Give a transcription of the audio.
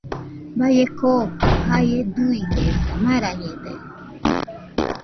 Baie kookɨ jae duidesa, marañede